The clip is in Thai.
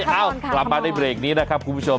เอ้ากลับมาในเบรกนี้นะครับคุณผู้ชม